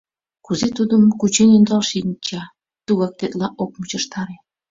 Кузе тудым кучен-ӧндал шинча, тугак тетла ок мучыштаре.